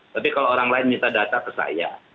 tapi kalau orang lain minta data ke saya